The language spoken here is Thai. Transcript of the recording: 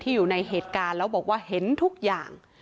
อยู่ในเหตุการณ์แล้วบอกว่าเห็นทุกอย่าง